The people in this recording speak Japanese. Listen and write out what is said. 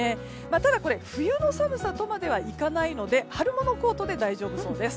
ただ、冬の寒さとまではいかないので春物コートで大丈夫そうです。